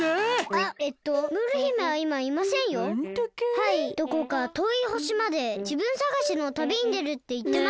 はいどこかとおいほしまでじぶんさがしのたびにでるっていってました。